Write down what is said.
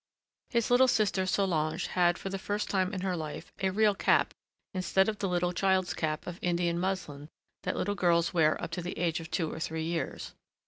His little sister Solange had, for the first time in her life, a real cap instead of the little child's cap of Indian muslin that little girls wear up to the age of two or three years.